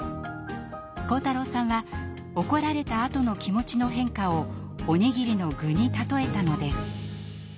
晃太郎さんは怒られたあとの気持ちの変化をおにぎりの具に例えたのです。